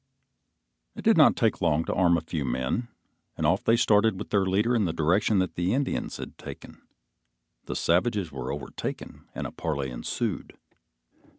It did not take long to arm a few men, and off they started with their leader in the direction that the Indians had taken. The savages were overtaken and a parley ensued.